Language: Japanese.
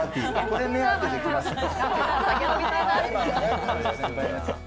これ目当てで来ます。